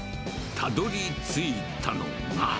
たどりついたのが。